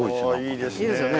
いいですね。